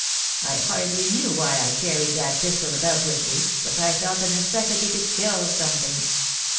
I hardly knew why I car ried that pistol about with me, but I felt a necessity to kill something.